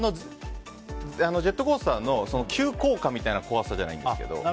ジェットコースターの急降下みたいな怖さじゃないんですけど。